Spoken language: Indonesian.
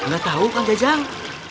gak tahu kang jajang